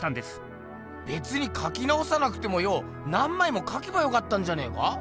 べつにかきなおさなくてもよお何まいもかけばよかったんじゃねえか？